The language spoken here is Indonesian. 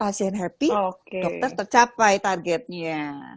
pasien happy dokter tercapai targetnya